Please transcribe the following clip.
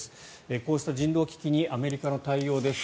こうした人道危機にアメリカの対応です。